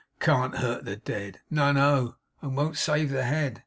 "Can't hurt the dead"! No, no. "And won't save the head"!